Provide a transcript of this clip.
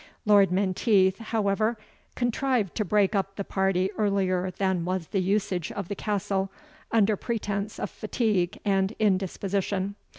Lord Menteith, however, contrived to break up the party earlier than was the usage of the Castle, under pretence of fatigue and indisposition.